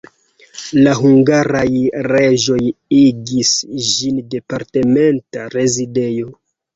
La hungaraj reĝoj igis ĝin departementa rezidejo.